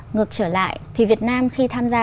ngược trở lại thì việt nam khi tham gia